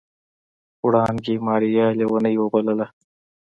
وړانګې ماريا ليونۍ وبلله.